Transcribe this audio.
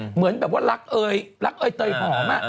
เหมือนแบบว่าลักเอ่ยเตยหอม